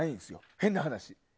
変な話。